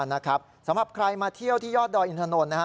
สำหรับใครมาเที่ยวที่ยอดดอยอินทนนท์